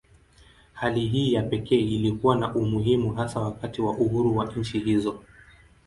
Hali hii ya pekee ilikuwa na umuhimu hasa wakati wa uhuru wa nchi hizo.